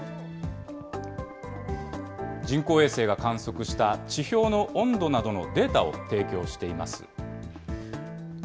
人工衛星が観測した地表の温度などのデータを提供しています。